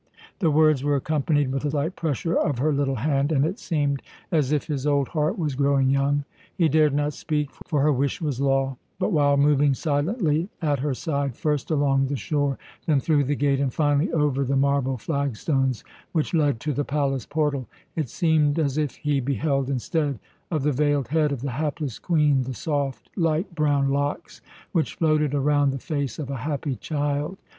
The words were accompanied with a light pressure of her little hand, and it seemed as if his old heart was growing young. He dared not speak, for her wish was law; but while moving silently at her side, first along the shore, then through the gate, and finally over the marble flagstones which led to the palace portal, it seemed as if he beheld, instead of the veiled head of the hapless Queen, the soft, light brown locks which floated around the face of a happy child.